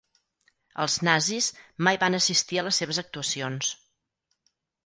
Els Nazis mai van assistir a les seves actuacions.